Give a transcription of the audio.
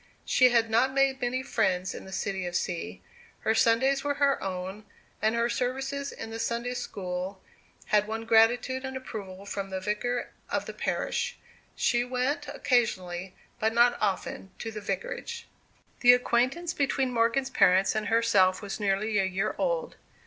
She had not made many friends in the city of C . Her Sundays were her own, and her services in the Sunday school had won gratitude and approval from the vicar of the parish. She went occasionally, but not often, to the vicarage. The acquaintance between Morgan's parents and herself was nearly a year old.